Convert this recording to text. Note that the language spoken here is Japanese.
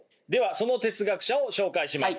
その哲学者を紹介します。